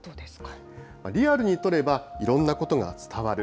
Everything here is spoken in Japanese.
リアルに撮れば、いろんなことが伝わる。